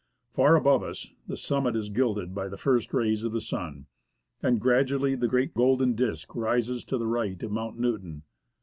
Far above us, the summit is gilded by the first rays of the sun, and gradually the great golden disk rises to the right of Mount Newton.